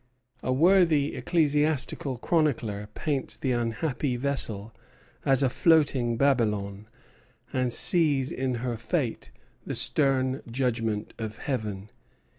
A worthy ecclesiastical chronicler paints the unhappy vessel as a floating Babylon, and sees in her fate the stern judgment of Heaven.